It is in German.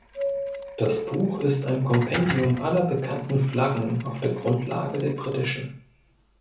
Das Buch ist ein Kompendium aller bekannten Flaggen auf der Grundlage der Britischen.